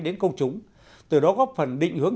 đến công chúng từ đó góp phần định hướng